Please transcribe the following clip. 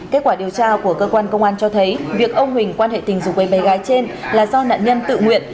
kết quả điều tra của cơ quan công an cho thấy việc ông huỳnh quan hệ tình dục với bé gái trên là do nạn nhân tự nguyện